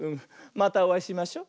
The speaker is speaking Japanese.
またおあいしましょ。